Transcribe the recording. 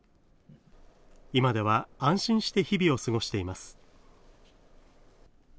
今では、安心して日々を過ごしています。